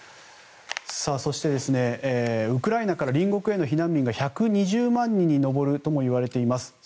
そして、ウクライナから隣国への避難民が１２０万人に上るともいわれていまんす。